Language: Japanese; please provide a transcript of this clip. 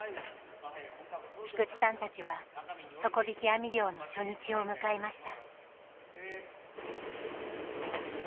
菊地さんたちは底引き網漁の初日を迎えました。